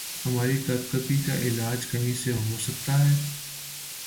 ہماری کپکپی کا علاج کہیں سے ہو سکتا ہے؟